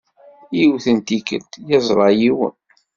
Yiwet n tikkelt, yeẓra yiwen.